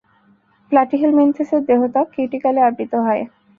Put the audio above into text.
প্লাটিহেলমিনথেসের দেহত্বক কিউটিকলে আবৃত হয়।